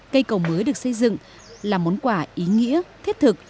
cây cầu mới được xây dựng là món quà ý nghĩa thiết thực